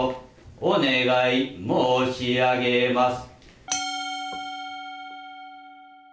お願い申し上げます。